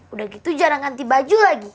udah gitu jarang ganti baju lagi